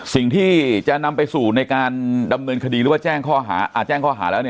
สิ่งที่จะนำไปสู่ในการดำเนินคดีหรือว่าแจ้งข้อหา